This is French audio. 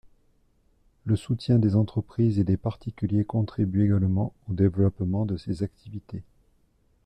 Le soutien des entreprises et des particuliers contribue également au développement de ses activités.